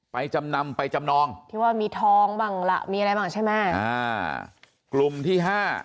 ไปจำนำไปจำนองว่ามีท้องบางละมีอะไรบางใช่ไหมกลุ่มที่๕